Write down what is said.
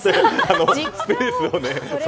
スペースを。